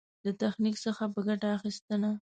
له تخنيک څخه په ګټه اخېستنه.